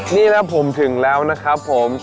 นี่นะผมถึงแล้วนะครับผม